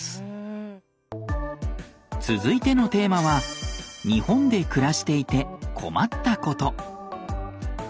続いてのテーマは日本で暮らしていて困ったこと。